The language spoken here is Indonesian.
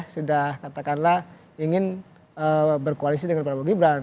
sudah katakanlah ingin berkoalisi dengan prabowo gibran